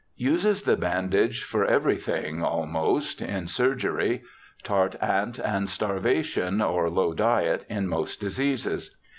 Uses the bandage for everything almost in surgery — tart. ant. and starvation, or low diet, in most diseases.